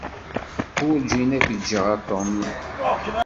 Werjin ad k-ǧǧeɣ a Tom.